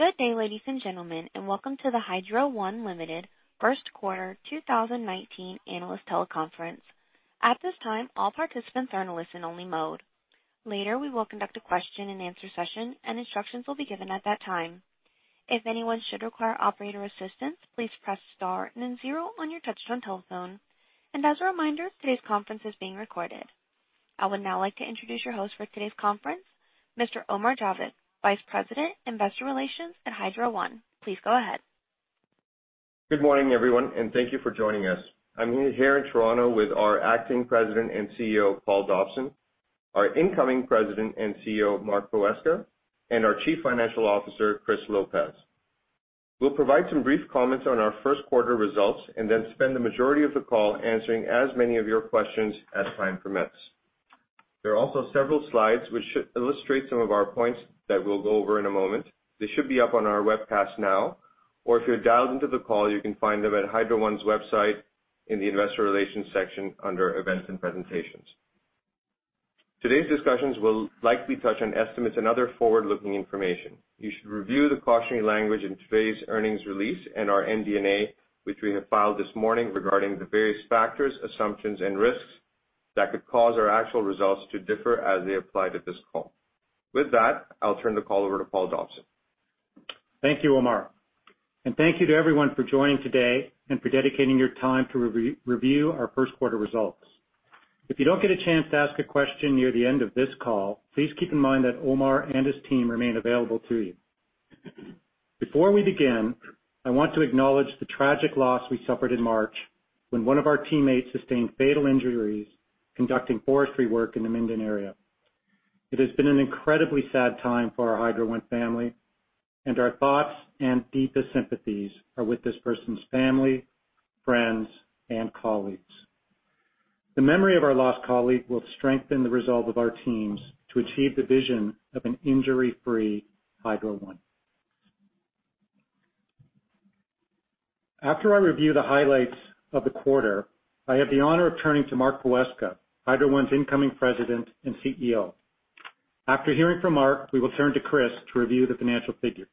Good day, ladies and gentlemen, and welcome to the Hydro One Limited first quarter 2019 analyst teleconference. At this time, all participants are in a listen-only mode. Later, we will conduct a question-and-answer session, and instructions will be given at that time. If anyone should require operator assistance, please press star and then zero on your touch-tone telephone. As a reminder, today's conference is being recorded. I would now like to introduce your host for today's conference, Mr. Omar Javed, Vice President, Investor Relations at Hydro One. Please go ahead. Good morning, everyone, and thank you for joining us. I'm here in Toronto with our Acting President and CEO, Paul Dobson, our incoming President and CEO, Mark Poweska, and our Chief Financial Officer, Chris Lopez. We'll provide some brief comments on our first quarter results and then spend the majority of the call answering as many of your questions as time permits. There are also several slides which should illustrate some of our points that we'll go over in a moment. They should be up on our webcast now, or if you're dialed into the call, you can find them at Hydro One's website in the Investor Relations section under Events and Presentations. Today's discussions will likely touch on estimates and other forward-looking information. You should review the cautionary language in today's earnings release and our MD&A, which we have filed this morning regarding the various factors, assumptions, and risks that could cause our actual results to differ as they apply to this call. With that, I'll turn the call over to Paul Dobson. Thank you, Omar. Thank you to everyone for joining today and for dedicating your time to review our first quarter results. If you don't get a chance to ask a question near the end of this call, please keep in mind that Omar and his team remain available to you. Before we begin, I want to acknowledge the tragic loss we suffered in March when one of our teammates sustained fatal injuries conducting forestry work in the Minden area. It has been an incredibly sad time for our Hydro One family, and our thoughts and deepest sympathies are with this person's family, friends, and colleagues. The memory of our lost colleague will strengthen the resolve of our teams to achieve the vision of an injury-free Hydro One. After I review the highlights of the quarter, I have the honor of turning to Mark Poweska, Hydro One's incoming President and CEO. After hearing from Mark, we will turn to Chris to review the financial figures.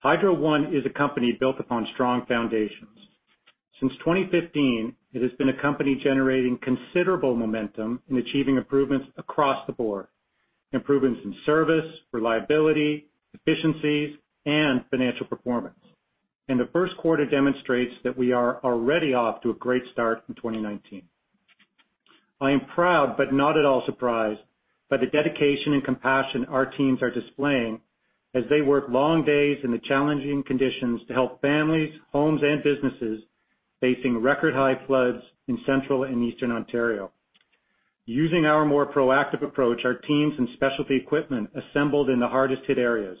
Hydro One is a company built upon strong foundations. Since 2015, it has been a company generating considerable momentum in achieving improvements across the board. Improvements in service, reliability, efficiencies, and financial performance. The first quarter demonstrates that we are already off to a great start in 2019. I am proud, but not at all surprised, by the dedication and compassion our teams are displaying as they work long days in the challenging conditions to help families, homes, and businesses facing record-high floods in central and eastern Ontario. Using our more proactive approach, our teams and specialty equipment assembled in the hardest-hit areas,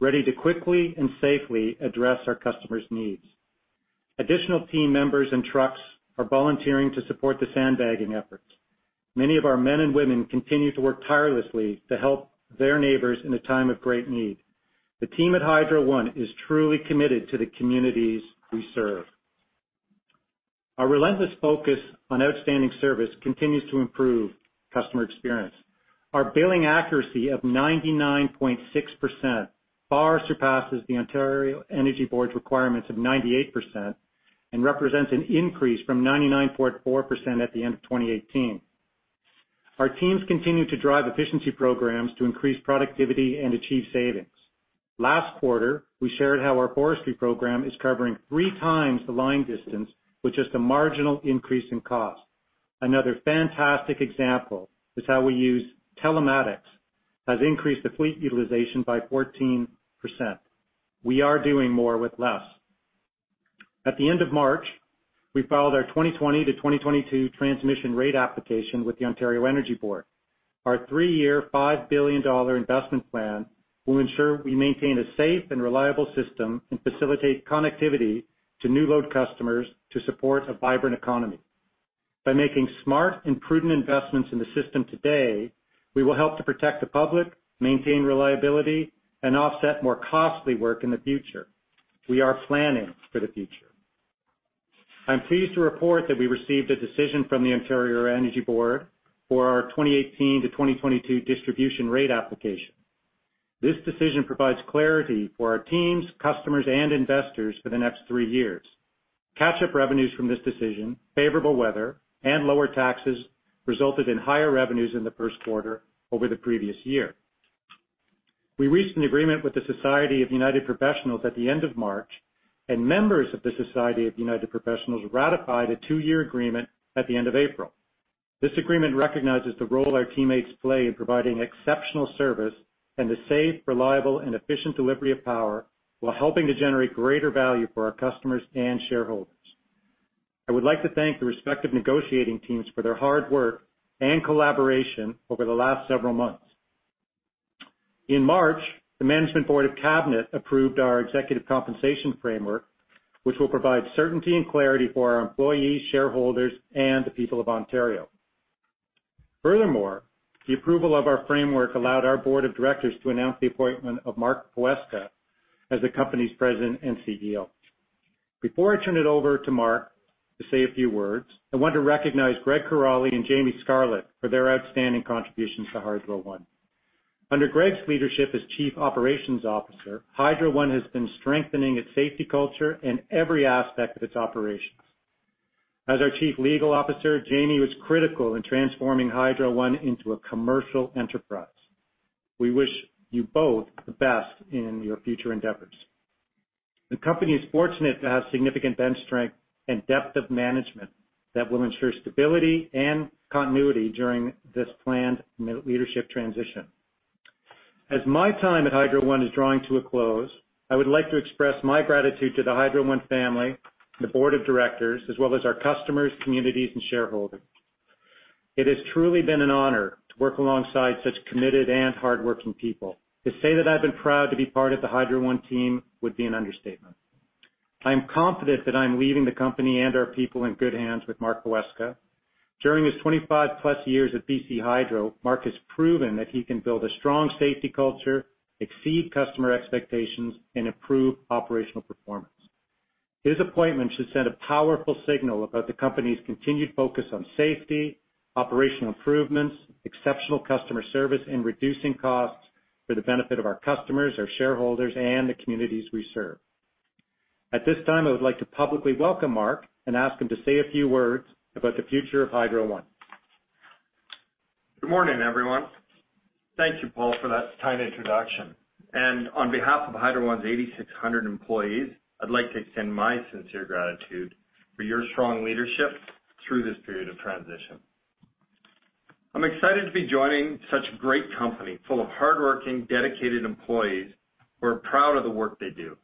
ready to quickly and safely address our customers' needs. Additional team members and trucks are volunteering to support the sandbagging efforts. Many of our men and women continue to work tirelessly to help their neighbors in a time of great need. The team at Hydro One is truly committed to the communities we serve. Our relentless focus on outstanding service continues to improve customer experience. Our billing accuracy of 99.6% far surpasses the Ontario Energy Board's requirements of 98% and represents an increase from 99.4% at the end of 2018. Our teams continue to drive efficiency programs to increase productivity and achieve savings. Last quarter, we shared how our forestry program is covering three times the line distance with just a marginal increase in cost. Another fantastic example is how we use telematics, which has increased the fleet utilization by 14%. We are doing more with less. At the end of March, we filed our 2020 to 2022 transmission rate application with the Ontario Energy Board. Our three-year, CAD 5 billion investment plan will ensure we maintain a safe and reliable system and facilitate connectivity to new-load customers to support a vibrant economy. By making smart and prudent investments in the system today, we will help to protect the public, maintain reliability, and offset more costly work in the future. We are planning for the future. I'm pleased to report that we received a decision from the Ontario Energy Board for our 2018 to 2022 distribution rate application. This decision provides clarity for our teams, customers, and investors for the next three years. Catch-up revenues from this decision, favorable weather, and lower taxes resulted in higher revenues in the first quarter over the previous year. We reached an agreement with the Society of United Professionals at the end of March, and members of the Society of United Professionals ratified a two-year agreement at the end of April. This agreement recognizes the role our teammates play in providing exceptional service and the safe, reliable, and efficient delivery of power while helping to generate greater value for our customers and shareholders. I would like to thank the respective negotiating teams for their hard work and collaboration over the last several months. In March, the Management Board of Cabinet approved our Executive Compensation Framework, which will provide certainty and clarity for our employees, shareholders, and the people of Ontario. Furthermore, the approval of our framework allowed our Board of Directors to announce the appointment of Mark Poweska as the company's President and CEO. Before I turn it over to Mark to say a few words, I want to recognize Greg Kiraly and Jamie Scarlett for their outstanding contributions to Hydro One. Under Greg's leadership as Chief Operating Officer, Hydro One has been strengthening its safety culture in every aspect of its operations. As our Chief Legal Officer, Jamie was critical in transforming Hydro One into a commercial enterprise. We wish you both the best in your future endeavors. The company is fortunate to have significant bench strength and depth of management that will ensure stability and continuity during this planned leadership transition. As my time at Hydro One is drawing to a close, I would like to express my gratitude to the Hydro One family, the Board of Directors, as well as our customers, communities, and shareholders. It has truly been an honor to work alongside such committed and hardworking people. To say that I've been proud to be part of the Hydro One team would be an understatement. I am confident that I'm leaving the company and our people in good hands with Mark Poweska. During his 25+ years at BC Hydro, Mark has proven that he can build a strong safety culture, exceed customer expectations, and improve operational performance. His appointment should send a powerful signal about the company's continued focus on safety, operational improvements, exceptional customer service, and reducing costs for the benefit of our customers, our shareholders, and the communities we serve. At this time, I would like to publicly welcome Mark and ask him to say a few words about the future of Hydro One. Good morning, everyone. Thank you, Paul, for that tiny introduction. On behalf of Hydro One's 8,600 employees, I'd like to extend my sincere gratitude for your strong leadership through this period of transition. I'm excited to be joining such a great company full of hardworking, dedicated employees who are proud of the work they do.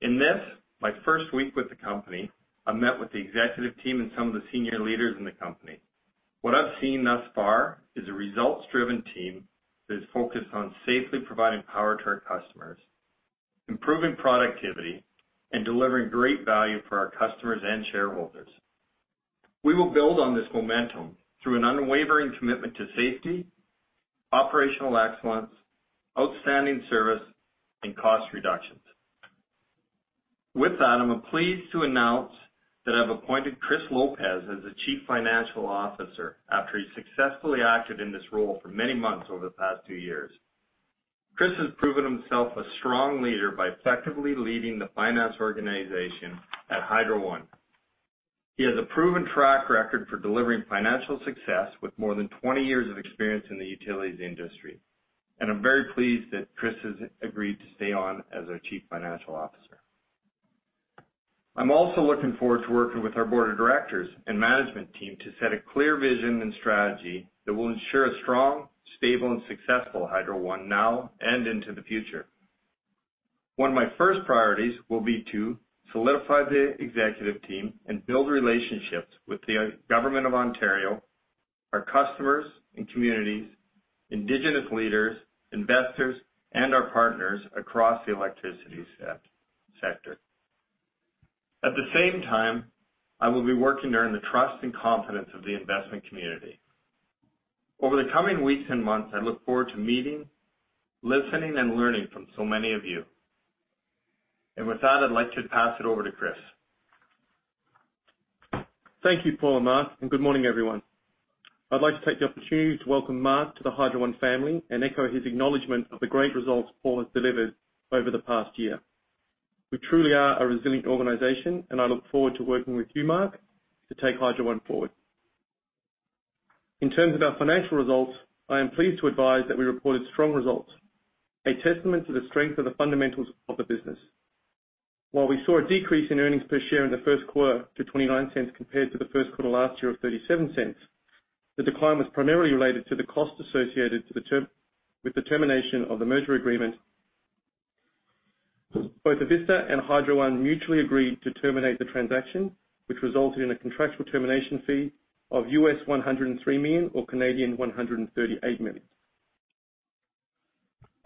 In this, my first week with the company, I met with the executive team and some of the senior leaders in the company. What I've seen thus far is a results-driven team that is focused on safely providing power to our customers, improving productivity, and delivering great value for our customers and shareholders. We will build on this momentum through an unwavering commitment to safety, operational excellence, outstanding service, and cost reductions. With that, I'm pleased to announce that I've appointed Chris Lopez as the Chief Financial Officer after he successfully acted in this role for many months over the past two years. Chris has proven himself a strong leader by effectively leading the finance organization at Hydro One. He has a proven track record for delivering financial success with more than 20 years of experience in the utilities industry. I'm very pleased that Chris has agreed to stay on as our Chief Financial Officer. I'm also looking forward to working with our Board of Directors and management team to set a clear vision and strategy that will ensure a strong, stable, and successful Hydro One now and into the future. One of my first priorities will be to solidify the executive team and build relationships with the Government of Ontario, our customers and communities, indigenous leaders, investors, and our partners across the electricity sector. At the same time, I will be working to earn the trust and confidence of the investment community. Over the coming weeks and months, I look forward to meeting, listening, and learning from so many of you. With that, I'd like to pass it over to Chris. Thank you, Paul and Mark, and good morning, everyone. I'd like to take the opportunity to welcome Mark to the Hydro One family and echo his acknowledgment of the great results Paul has delivered over the past year. We truly are a resilient organization, and I look forward to working with you, Mark, to take Hydro One forward. In terms of our financial results, I am pleased to advise that we reported strong results, a testament to the strength of the fundamentals of the business. While we saw a decrease in earnings per share in the first quarter to 0.29 compared to the first quarter last year of 0.37, the decline was primarily related to the cost associated with the termination of the merger agreement. Both Avista and Hydro One mutually agreed to terminate the transaction, which resulted in a contractual termination fee of $103 million or 138 million.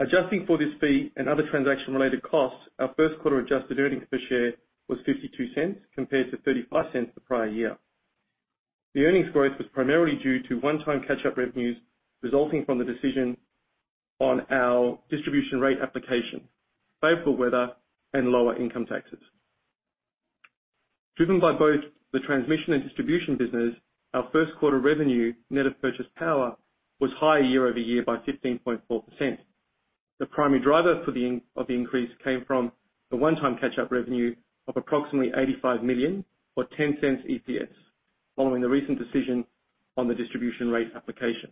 Adjusting for this fee and other transaction-related costs, our first quarter adjusted earnings per share was 0.52 compared to 0.35 the prior year. The earnings growth was primarily due to one-time catch-up revenues resulting from the decision on our distribution rate application, favorable weather, and lower income taxes. Driven by both the transmission and distribution business, our first quarter revenue net of purchased power was higher year-over-year by 15.4%. The primary driver of the increase came from the one-time catch-up revenue of approximately 85 million or 0.10 EPS following the recent decision on the distribution rate application.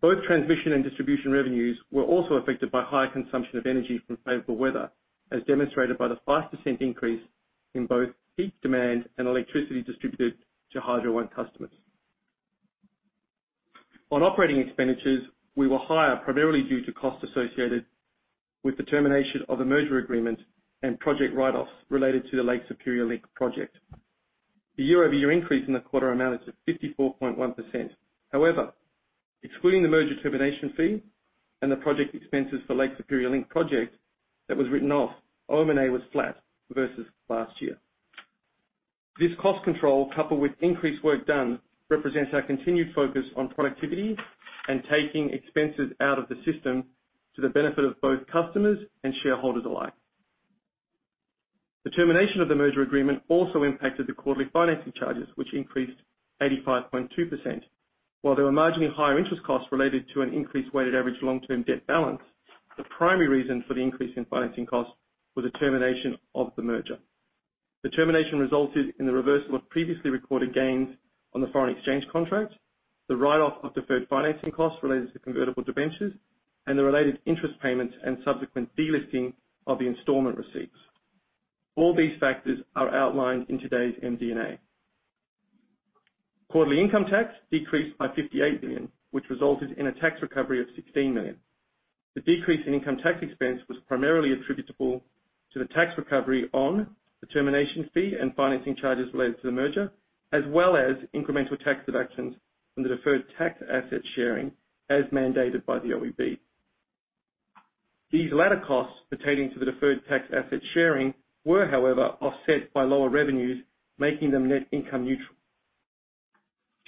Both transmission and distribution revenues were also affected by higher consumption of energy from favorable weather, as demonstrated by the 5% increase in both peak demand and electricity distributed to Hydro One customers. On operating expenditures, we were higher primarily due to costs associated with the termination of the merger agreement and project write-offs related to the Lake Superior Link project. The year-over-year increase in the quarter amounted to 54.1%. However, excluding the merger termination fee and the project expenses for Lake Superior Link project, that was written off, OM&A was flat versus last year. This cost control, coupled with increased work done, represents our continued focus on productivity and taking expenses out of the system to the benefit of both customers and shareholders alike. The termination of the merger agreement also impacted the quarterly financing charges, which increased 85.2%. While there were marginally higher interest costs related to an increased weighted average long-term debt balance, the primary reason for the increase in financing costs was the termination of the merger. The termination resulted in the reversal of previously recorded gains on the foreign exchange contract, the write-off of deferred financing costs related to convertible debentures, and the related interest payments and subsequent delisting of the installment receipts. All these factors are outlined in today's MD&A. Quarterly income tax decreased by 58 million, which resulted in a tax recovery of 16 million. The decrease in income tax expense was primarily attributable to the tax recovery on the termination fee and financing charges related to the merger, as well as incremental tax deductions from the deferred tax asset sharing as mandated by the OEB. These latter costs pertaining to the deferred tax asset sharing were, however, offset by lower revenues, making them net income neutral.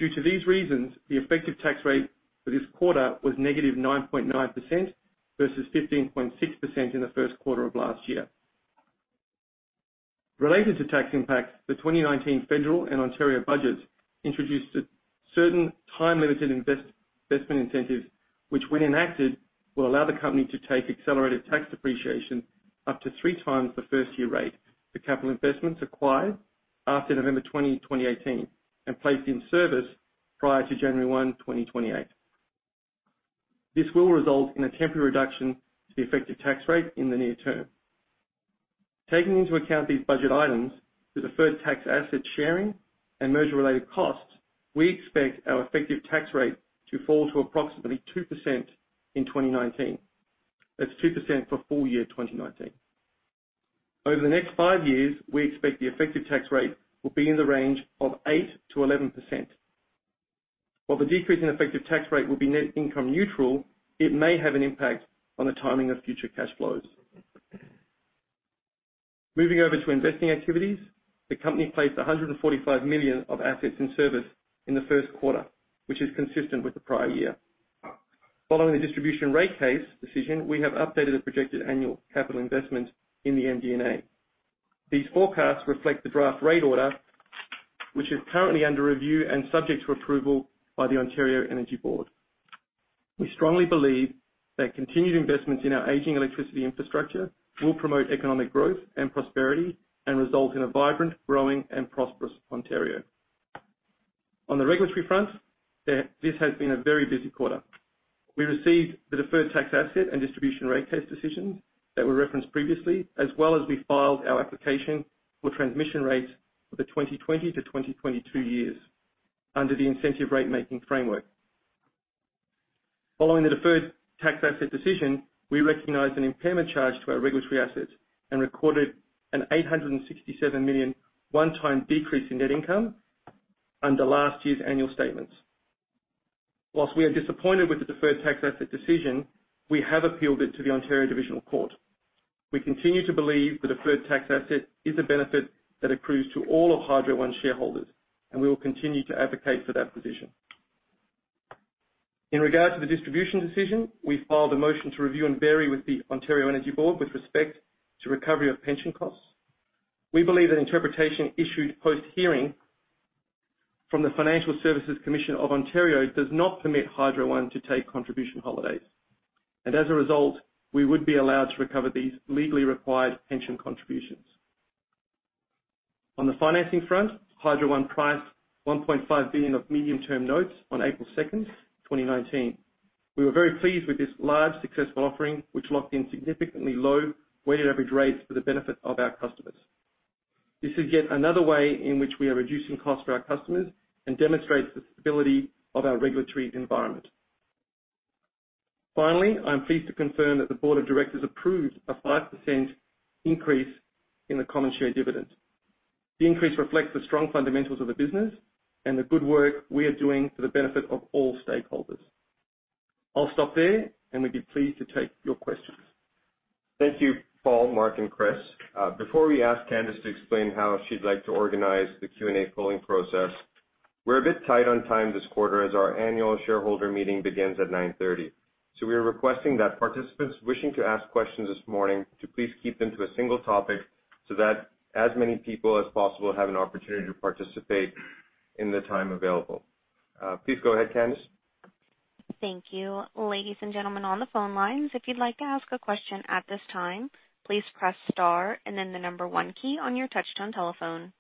Due to these reasons, the effective tax rate for this quarter was -9.9% versus 15.6% in the first quarter of last year. Related to tax impacts, the 2019 federal and Ontario budgets introduced certain time-limited investment incentives, which, when enacted, will allow the company to take accelerated tax depreciation up to three times the first-year rate for capital investments acquired after November 20, 2018, and placed in service prior to January 1, 2028. This will result in a temporary reduction to the effective tax rate in the near term. Taking into account these budget items, the deferred tax asset sharing, and merger-related costs, we expect our effective tax rate to fall to approximately 2% in 2019. That's 2% for full-year 2019. Over the next five years, we expect the effective tax rate will be in the range of 8%-11%. While the decrease in effective tax rate will be net income neutral, it may have an impact on the timing of future cash flows. Moving over to investing activities, the company placed 145 million of assets in service in the first quarter, which is consistent with the prior year. Following the distribution rate case decision, we have updated the projected annual capital investment in the MD&A. These forecasts reflect the draft rate order, which is currently under review and subject to approval by the Ontario Energy Board. We strongly believe that continued investments in our aging electricity infrastructure will promote economic growth and prosperity and result in a vibrant, growing, and prosperous Ontario. On the regulatory front, this has been a very busy quarter. We received the deferred tax asset and distribution rate case decisions that were referenced previously, as well as, we filed our application for transmission rates for the 2020 to 2022 years under the incentive rate-making framework. Following the deferred tax asset decision, we recognized an impairment charge to our regulatory assets and recorded a 867 million one-time decrease in net income under last year's annual statements. While we are disappointed with the deferred tax asset decision, we have appealed it to the Ontario Divisional Court. We continue to believe the deferred tax asset is a benefit that accrues to all of Hydro One's shareholders, and we will continue to advocate for that position. In regard to the distribution decision, we filed a motion to review and vary with the Ontario Energy Board with respect to recovery of pension costs. We believe that interpretation issued post-hearing from the Financial Services Commission of Ontario does not permit Hydro One to take contribution holidays. As a result, we would be allowed to recover these legally required pension contributions. On the financing front, Hydro One priced 1.5 billion of medium-term notes on April 2nd, 2019. We were very pleased with this large, successful offering, which locked in significantly low weighted average rates for the benefit of our customers. This is yet another way in which we are reducing costs for our customers and demonstrates the stability of our regulatory environment. Finally, I'm pleased to confirm that the Board of Directors approved a 5% increase in the common share dividend. The increase reflects the strong fundamentals of the business and the good work we are doing for the benefit of all stakeholders. I'll stop there, and we'd be pleased to take your questions. Thank you, Paul, Mark, and Chris. Before we ask Candace to explain how she'd like to organize the Q&A polling process, we're a bit tight on time this quarter as our annual shareholder meeting begins at 9:30 A.M. We are requesting that participants wishing to ask questions this morning to please keep them to a single topic so that as many people as possible have an opportunity to participate in the time available. Please go ahead, Candace. Thank you. Ladies and gentlemen on the phone lines, if you'd like to ask a question at this time, please press star and then the number one key on your touch-tone telephone.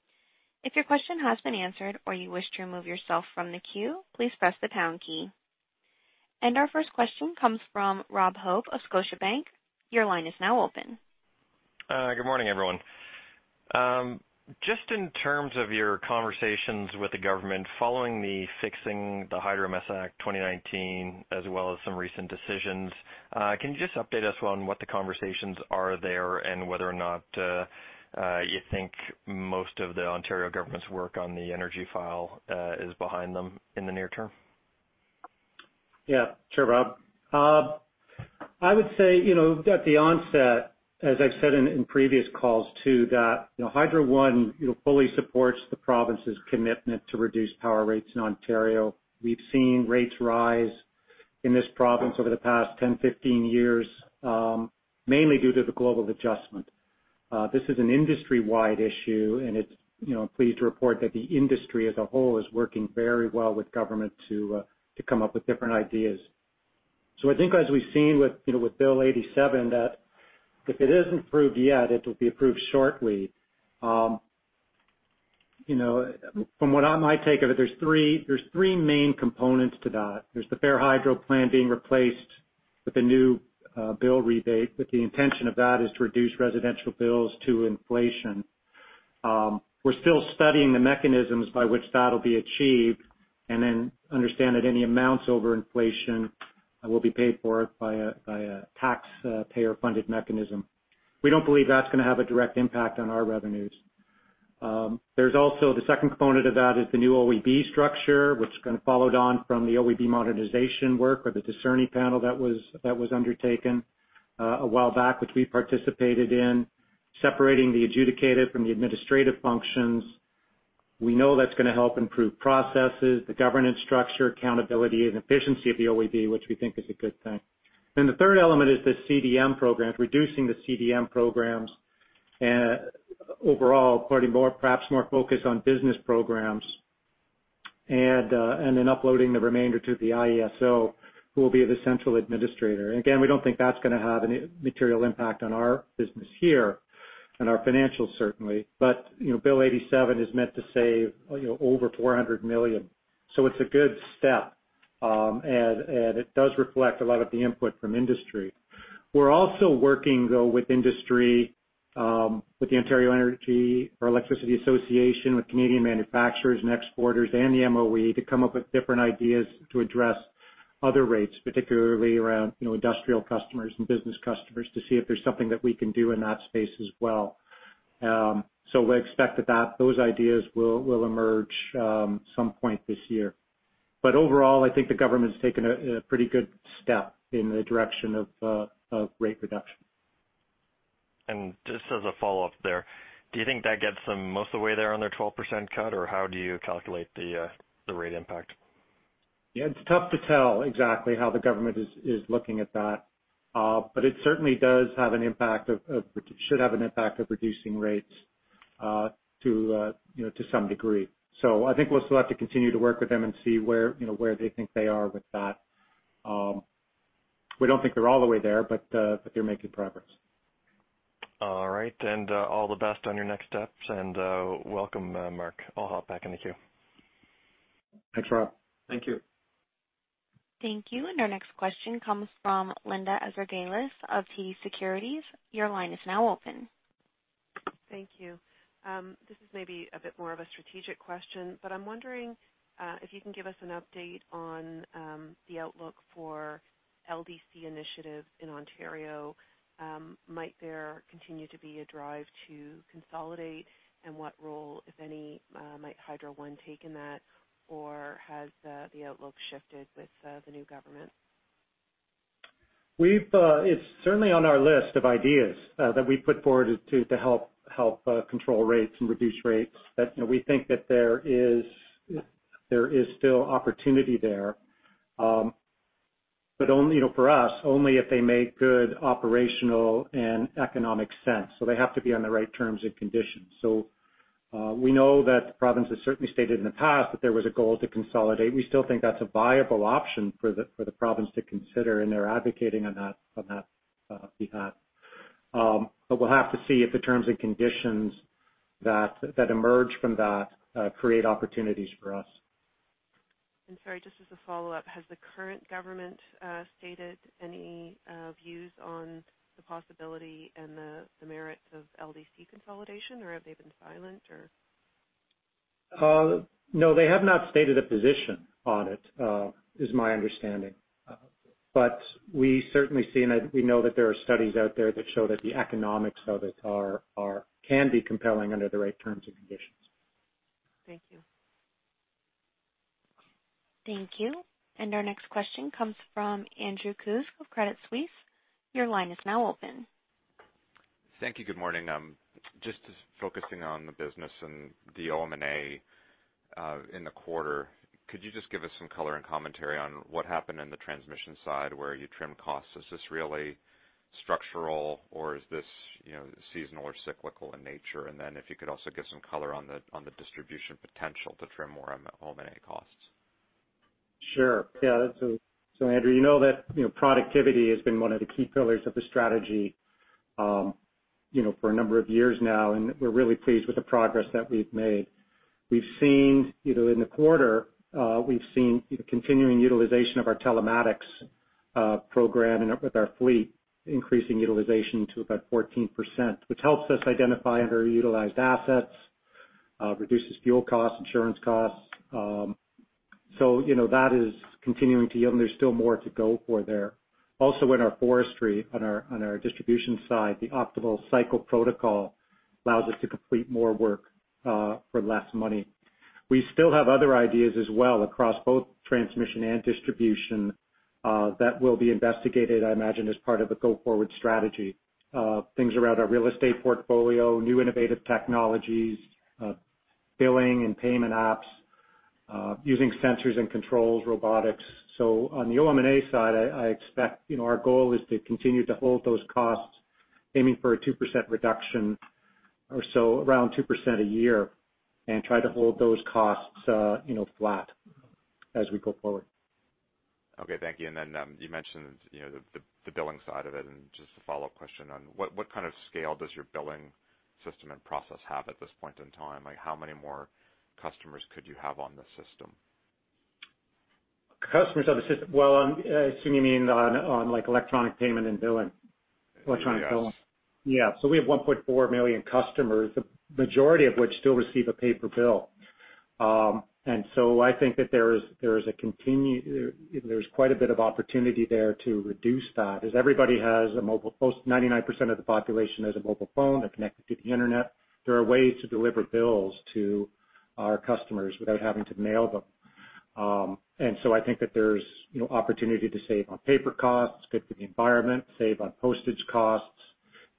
If your question has been answered or you wish to remove yourself from the queue, please press the pound key. Our first question comes from Rob Hope of Scotiabank. Your line is now open. Good morning, everyone. Just in terms of your conversations with the government following the Fixing the Hydro Mess Act, 2019, as well as some recent decisions, can you just update us on what the conversations are there and whether or not you think most of the Ontario government's work on the energy file is behind them in the near term? Yeah. Sure, Rob. I would say at the onset, as I've said in previous calls too, that Hydro One fully supports the province's commitment to reduce power rates in Ontario. We've seen rates rise in this province over the past 10, 15 years, mainly due to the Global Adjustment. This is an industry-wide issue, and I'm pleased to report that the industry as a whole is working very well with government to come up with different ideas. I think, as we've seen with Bill 87, that if it isn't approved yet, it will be approved shortly. From what my take of it, there's three main components to that. There's the Fair Hydro Plan being replaced with a new bill rebate, but the intention of that is to reduce residential bills to inflation. We're still studying the mechanisms by which that'll be achieved and then understand that any amounts over inflation will be paid for by a taxpayer-funded mechanism. We don't believe that's going to have a direct impact on our revenues. The second component of that is the new OEB structure, which kind of followed on from the OEB modernization work or the Dicerni panel that was undertaken a while back, which we participated in, separating the adjudicative from the administrative functions. We know that's going to help improve processes, the governance structure, accountability, and efficiency of the OEB, which we think is a good thing. The third element is the CDM programs, reducing the CDM programs and overall, perhaps more focus on business programs, and then uploading the remainder to the IESO, who will be the central administrator. Again, we don't think that's going to have any material impact on our business here and our financials, certainly. Bill 87 is meant to save over 400 million. It's a good step, and it does reflect a lot of the input from industry. We're also working, though, with industry, with the Ontario Energy Association, with Canadian Manufacturers & Exporters, and the MOE to come up with different ideas to address other rates, particularly around industrial customers and business customers, to see if there's something that we can do in that space as well. We expect that those ideas will emerge some point this year. Overall, I think the government's taken a pretty good step in the direction of rate reduction. Just as a follow-up there, do you think that gets most of the way there on their 12% cut, or how do you calculate the rate impact? Yeah. It's tough to tell exactly how the government is looking at that, but it certainly should have an impact on reducing rates to some degree. I think we'll still have to continue to work with them and see where they think they are with that. We don't think they're all the way there, but they're making progress. All right. All the best on your next steps. Welcome, Mark. I'll hop back in the queue. Thanks, Rob. Thank you. Thank you. Our next question comes from Linda Ezergailis of TD Securities. Your line is now open. Thank you. This is maybe a bit more of a strategic question, but I'm wondering if you can give us an update on the outlook for LDC initiatives in Ontario. Might there continue to be a drive to consolidate, and what role, if any, might Hydro One take in that, or has the outlook shifted with the new government? It's certainly on our list of ideas that we put forward to help control rates and reduce rates. We think that there is still opportunity there, but for us, only if they make good operational and economic sense. They have to be on the right terms and conditions. We know that the province has certainly stated in the past that there was a goal to consolidate. We still think that's a viable option for the province to consider, and they're advocating on that behalf. We'll have to see if the terms and conditions that emerge from that create opportunities for us. Sorry, just as a follow-up, has the current government stated any views on the possibility and the merits of LDC consolidation, or have they been silent, or? No. They have not stated a position on it, is my understanding. We certainly see, and we know that there are studies out there that show that the economics of it can be compelling under the right terms and conditions. Thank you. Thank you. Our next question comes from Andrew Kuske of Credit Suisse. Your line is now open. Thank you. Good morning. Just focusing on the business and the OM&A in the quarter, could you just give us some color and commentary on what happened in the transmission side where you trimmed costs? Is this really structural, or is this seasonal or cyclical in nature? If you could also give some color on the distribution potential to trim more OM&A costs. Sure. Yeah. Andrew, you know that productivity has been one of the key pillars of the strategy for a number of years now, and we're really pleased with the progress that we've made. In the quarter, we've seen continuing utilization of our telematics program with our fleet, increasing utilization to about 14%, which helps us identify underutilized assets, reduces fuel costs, insurance costs. That is continuing to yield, and there's still more to go for there. Also, in our forestry, on our distribution side, the Optimal Cycle Protocol allows us to complete more work for less money. We still have other ideas as well across both transmission and distribution that will be investigated, I imagine, as part of a go-forward strategy, things around our real estate portfolio, new innovative technologies, billing and payment apps, using sensors and controls, robotics. On the OM&A side, I expect our goal is to continue to hold those costs, aiming for a 2% reduction or so, around 2% a year, and try to hold those costs flat as we go forward. Okay. Thank you. You mentioned the billing side of it. Just a follow-up question on what kind of scale does your billing system and process have at this point in time? How many more customers could you have on the system? Customers on the system? Well, I assume you mean on electronic payment and billing. Electronic billing. Yeah. Yeah. We have 1.4 million customers, the majority of which still receive a paper bill. I think that there's quite a bit of opportunity there to reduce that, as everybody has a mobile. 99% of the population has a mobile phone. They're connected to the internet. There are ways to deliver bills to our customers without having to mail them. I think that there's opportunity to save on paper costs, good for the environment, save on postage costs,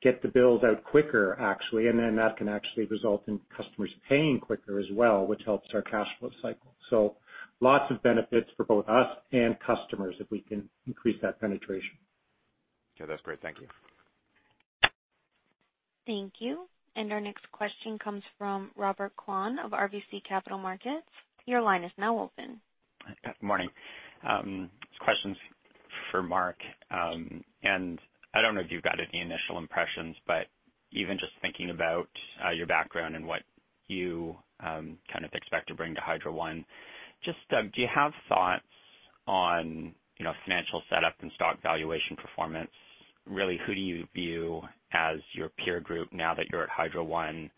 get the bills out quicker, actually. That can actually result in customers paying quicker as well, which helps our cash flow cycle. Lots of benefits for both us and customers if we can increase that penetration. Okay. That's great. Thank you. Thank you. Our next question comes from Robert Kwan of RBC Capital Markets. Your line is now open. Good morning. Questions for Mark. I don't know if you've got any initial impressions, but even just thinking about your background and what you kind of expect to bring to Hydro One, just do you have thoughts on financial setup and stock valuation performance? Really, who do you view as your peer group now that you're at Hydro One?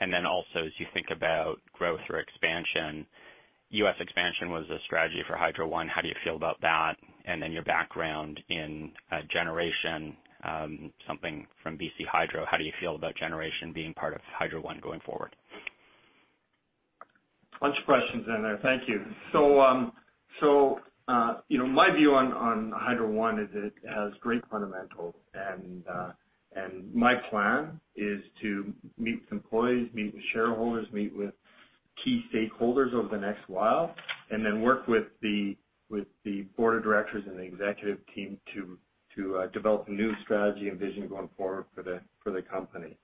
Then also, as you think about growth or expansion, U.S. expansion was a strategy for Hydro One. How do you feel about that? Then your background in Generation, something from BC Hydro, how do you feel about Generation being part of Hydro One going forward? Lunch questions in there. Thank you. My view on Hydro One is it has great fundamentals, and my plan is to meet with employees, meet with shareholders, meet with key stakeholders over the next while, and then work with the Board of Directors and the executive team to develop a new strategy and vision going forward for the company.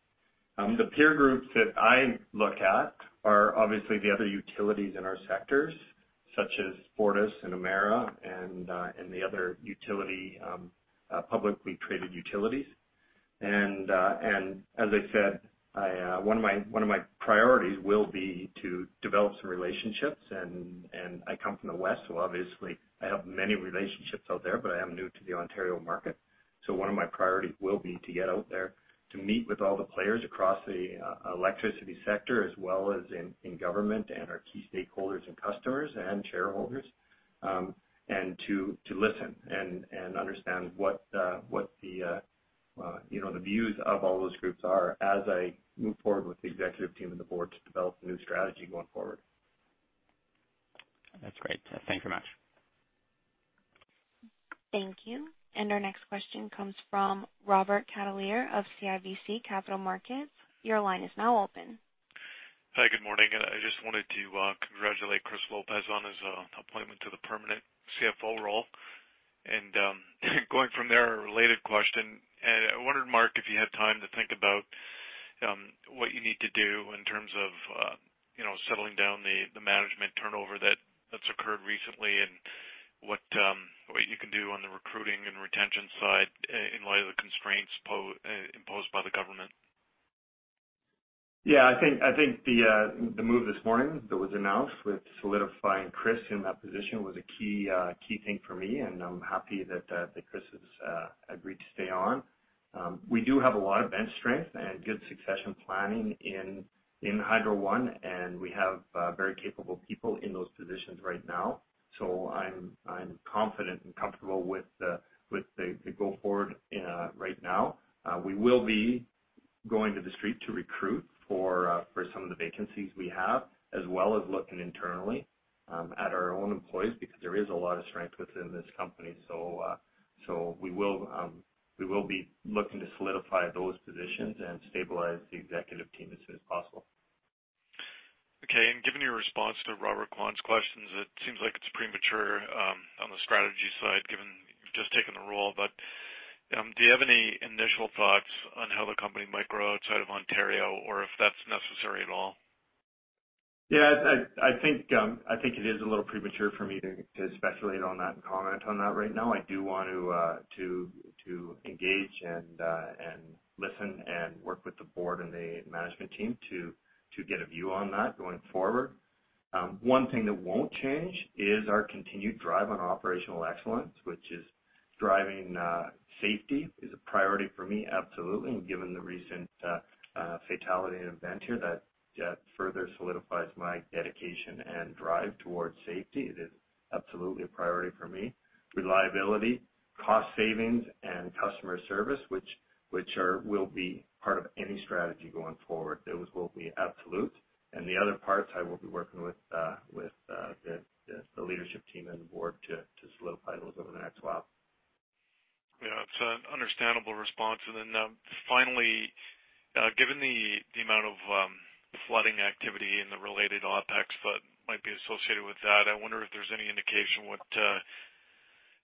The peer groups that I look at are obviously the other utilities in our sectors, such as Fortis and Emera and the other publicly traded utilities. As I said, one of my priorities will be to develop some relationships. I come from the West, so obviously, I have many relationships out there, but I am new to the Ontario market. One of my priorities will be to get out there to meet with all the players across the electricity sector, as well as in government and our key stakeholders and customers and shareholders, and to listen and understand what the views of all those groups are as I move forward with the executive team and the board to develop a new strategy going forward. That's great. Thanks very much. Thank you. Our next question comes from Robert Catellier of CIBC Capital Markets. Your line is now open. Hi. Good morning. I just wanted to congratulate Chris Lopez on his appointment to the permanent CFO role. Going from there, a related question. I wondered, Mark, if you had time to think about what you need to do in terms of settling down the management turnover that's occurred recently and what you can do on the recruiting and retention side in light of the constraints imposed by the government. Yeah. I think the move this morning that was announced with solidifying Chris in that position was a key thing for me, and I'm happy that Chris has agreed to stay on. We do have a lot of bench strength and good succession planning in Hydro One, and we have very capable people in those positions right now. I'm confident and comfortable with the go-forward right now. We will be going to the street to recruit for some of the vacancies we have, as well as looking internally at our own employees because there is a lot of strength within this company. We will be looking to solidify those positions and stabilize the executive team as soon as possible. Okay. Given your response to Robert Kwan's questions, it seems like it's premature on the strategy side, given you've just taken the role. Do you have any initial thoughts on how the company might grow outside of Ontario, or if that's necessary at all? Yeah. I think it is a little premature for me to speculate on that and comment on that right now. I do want to engage and listen and work with the board and the management team to get a view on that going forward. One thing that won't change is our continued drive on operational excellence, which is driving safety, is a priority for me, absolutely, given the recent fatality and event here that further solidifies my dedication and drive towards safety. It is absolutely a priority for me. Reliability, cost savings, and customer service, which will be part of any strategy going forward, those will be absolute. The other parts, I will be working with the leadership team and the board to solidify those over the next while. Yeah. It's an understandable response. Finally, given the amount of flooding activity and the related OpEx that might be associated with that, I wonder if there's any indication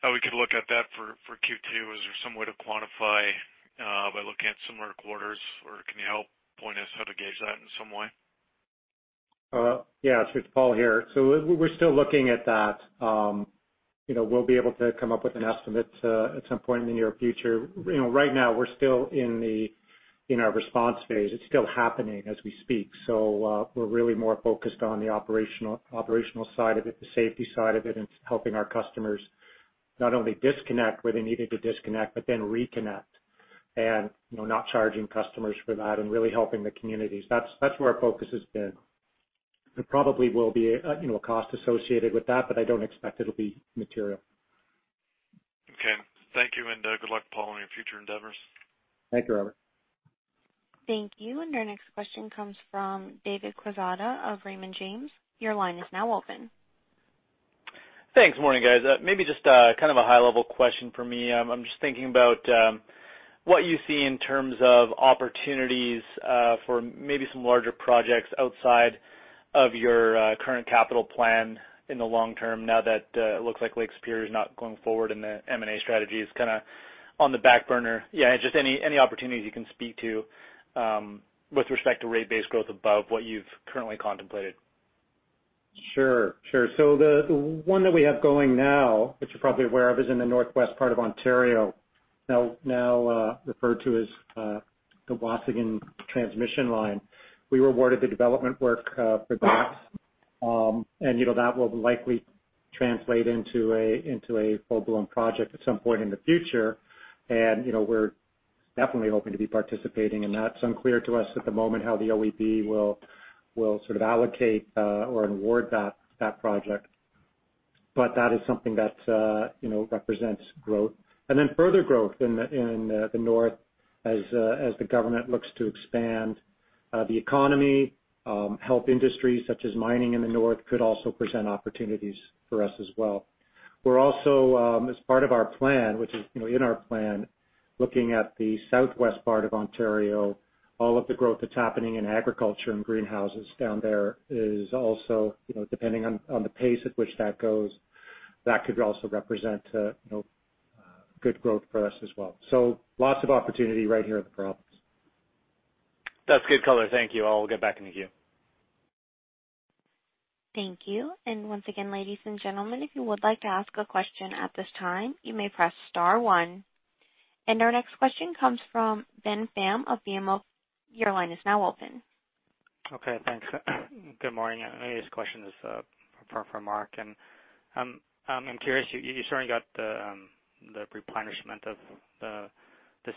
how we could look at that for Q2. Is there some way to quantify by looking at similar quarters, or can you help point us how to gauge that in some way? Yeah. It's with Paul here. We're still looking at that. We'll be able to come up with an estimate at some point in the near future. Right now, we're still in our response phase. It's still happening as we speak. We're really more focused on the operational side of it, the safety side of it, and helping our customers not only disconnect where they needed to disconnect but then reconnect and not charging customers for that and really helping the communities. That's where our focus has been. There probably will be a cost associated with that, but I don't expect it'll be material. Okay. Thank you. Good luck, Paul, on your future endeavors. Thank you, Robert. Thank you. Our next question comes from David Quezada of Raymond James. Your line is now open. Thanks. Morning, guys. Maybe just kind of a high-level question for me. I'm just thinking about what you see in terms of opportunities for maybe some larger projects outside of your current capital plan in the long term, now that it looks like Lake Superior Link is not going forward and the M&A strategy is kind of on the back burner. Yeah. Just any opportunities you can speak to with respect to rate-based growth above what you've currently contemplated. Sure. The one that we have going now, which you're probably aware of, is in the northwest part of Ontario, now referred to as the Waasigan Transmission Line. We rewarded the development work for that, and that will likely translate into a full-blown project at some point in the future. We're definitely hoping to be participating in that. It's unclear to us at the moment how the OEB will sort of allocate or award that project, but that is something that represents growth. Further growth in the north, as the government looks to expand the economy, heavy industries such as mining in the north could also present opportunities for us as well. We're also, as part of our plan, which is in our plan, looking at the southwest part of Ontario. All of the growth that's happening in agriculture and greenhouses down there is also, depending on the pace at which that goes, that could also represent good growth for us as well. Lots of opportunity right here in the province. That's good color. Thank you. I'll get back to you. Thank you. Once again, ladies and gentlemen, if you would like to ask a question at this time, you may press star one. Our next question comes from Ben Pham of BMO. Your line is now open. Okay. Thanks. Good morning. My next question is from Mark. I'm curious. You certainly got the replenishment of the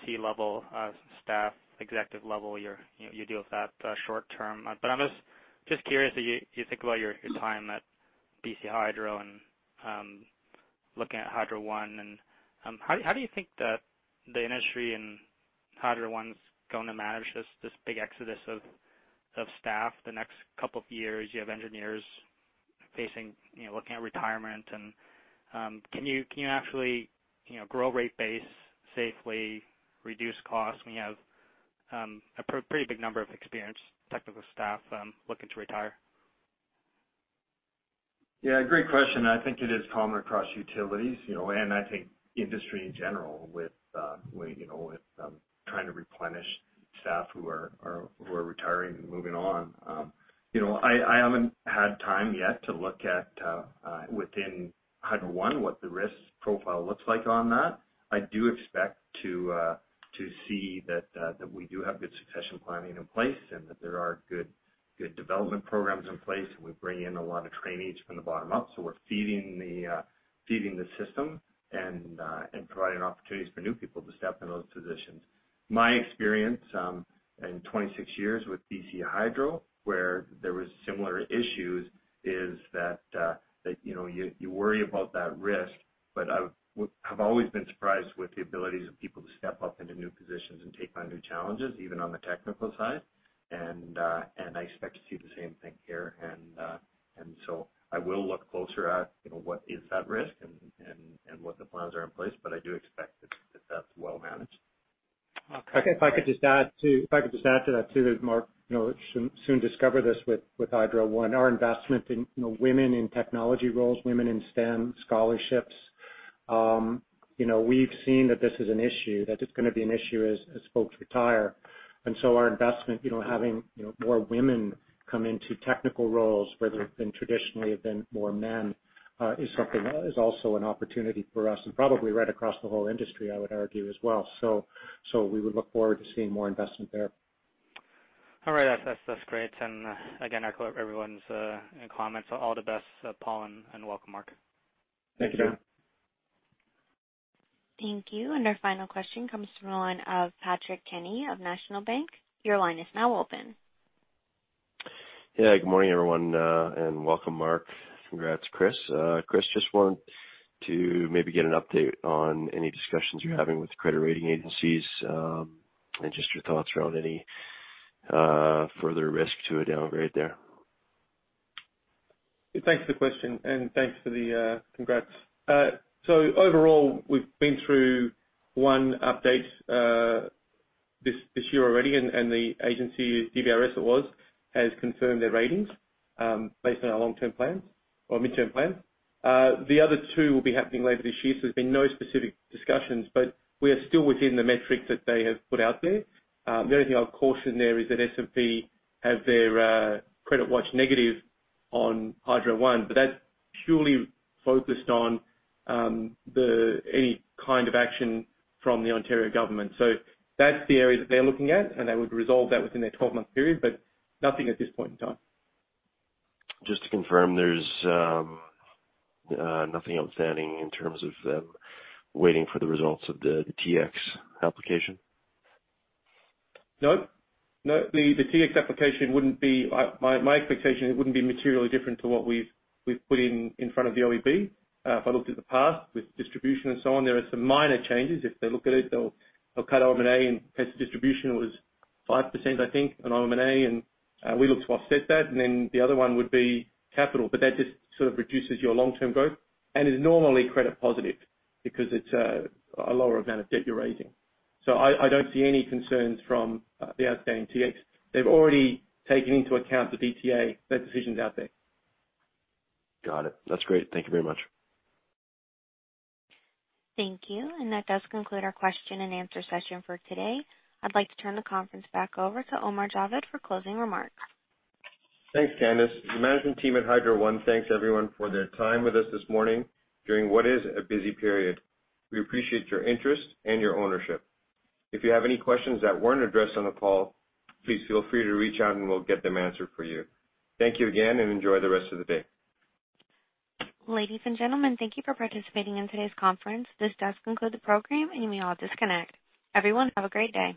C-level staff, executive level. You deal with that short term. I'm just curious as you think about your time at BC Hydro and looking at Hydro One. How do you think that the industry and Hydro One's going to manage this big exodus of staff the next couple of years? You have engineers looking at retirement. Can you actually grow rate base, safely, reduce costs when you have a pretty big number of experienced technical staff looking to retire? Yeah. Great question. I think it is common across utilities and I think industry in general with trying to replenish staff who are retiring and moving on. I haven't had time yet to look at, within Hydro One, what the risk profile looks like on that. I do expect to see that we do have good succession planning in place and that there are good development programs in place. We bring in a lot of trainees from the bottom up. We're feeding the system and providing opportunities for new people to step in those positions. My experience in 26 years with BC Hydro, where there were similar issues, is that you worry about that risk. I have always been surprised with the abilities of people to step up into new positions and take on new challenges, even on the technical side. I expect to see the same thing here. I will look closer at what is that risk and what the plans are in place. I do expect that that's well managed. Okay. If I could just add to that too, as Mark soon discover this with Hydro One, our investment in women in technology roles, women in STEM scholarships, we've seen that this is an issue, that it's going to be an issue as folks retire. And so our investment, having more women come into technical roles where there traditionally have been more men, is also an opportunity for us and probably right across the whole industry, I would argue, as well. We would look forward to seeing more investment there. All right. That's great. Again, I quote everyone's comments. All the best, Paul, and welcome, Mark. Thank you, John. Thank you. Our final question comes from a line of Patrick Kenny of National Bank. Your line is now open. Yeah. Good morning, everyone, and welcome, Mark. Congrats, Chris. Chris, just wanted to maybe get an update on any discussions you're having with credit rating agencies and just your thoughts around any further risk to a downgrade there? Thanks for the question, and thanks for the congrats. Overall, we've been through one update this year already, and the agency, DBRS, it was, has confirmed their ratings based on our long-term plans or midterm plans. The other two will be happening later this year. There's been no specific discussions, but we are still within the metrics that they have put out there. The only thing I'll caution there is that S&P have their credit watch negative on Hydro One, but that's purely focused on any kind of action from the Ontario government. That's the area that they're looking at, and they would resolve that within their 12-month period, but nothing at this point in time. Just to confirm, there's nothing outstanding in terms of them waiting for the results of the TX application? Nope. Nope. The TX application wouldn't be my expectation, it wouldn't be materially different to what we've put in front of the OEB. If I looked at the past with distribution and so on, there are some minor changes. If they look at it, they'll cut OM&A in case the distribution was 5%, I think, in OM&A. We looked to offset that. The other one would be capital, but that just sort of reduces your long-term growth and is normally credit positive because it's a lower amount of debt you're raising. I don't see any concerns from the outstanding TX. They've already taken into account the DTA. That decision's out there. Got it. That's great. Thank you very much. Thank you. That does conclude our question-and-answer session for today. I'd like to turn the conference back over to Omar Javed for closing remarks. Thanks, Candace. The management team at Hydro One, thanks, everyone, for their time with us this morning during what is a busy period. We appreciate your interest and your ownership. If you have any questions that weren't addressed on the call, please feel free to reach out, and we'll get them answered for you. Thank you again, and enjoy the rest of the day. Ladies and gentlemen, thank you for participating in today's conference. This does conclude the program, and you may all disconnect. Everyone, have a great day.